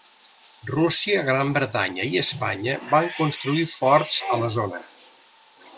Rússia, Gran Bretanya i Espanya van construir forts a la zona.